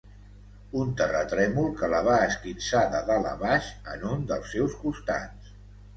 Un terratrèmol que la va esquinçar de dalt a baix en un dels seus costats.